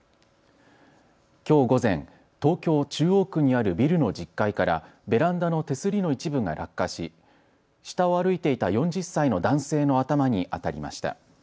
きょう午前、東京中央区にあるビルの１０階からベランダの手すりの一部が落下し下を歩いていた４０歳の男性の頭に当たりました。